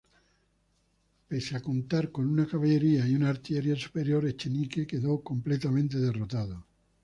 Pese a contar con una caballería y una artillería superior, Echenique quedó completamente derrotado.